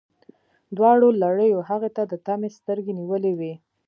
دواړو لړیو هغې ته د طمعې سترګې نیولي وې.